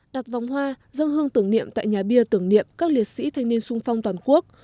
đặt vòng hoa dân hương tưởng niệm tại nhà bia tưởng niệm các liệt sĩ thanh niên sung phong toàn quốc